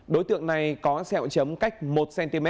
đối tượng này có xeo trầm cách một cm